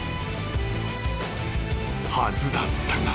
［はずだったが］